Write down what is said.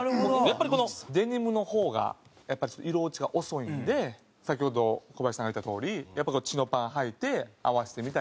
やっぱりこのデニムの方がやっぱり色落ちが遅いんで先ほどコバヤシさんが言ったとおりやっぱりチノパン穿いて合わせてみたり。